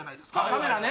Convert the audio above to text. カメラね